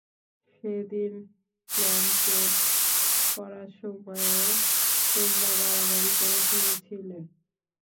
সেদিন প্লানচেট করার সময়ও তোমরা বাড়াবাড়ি করে ফেলেছিলে।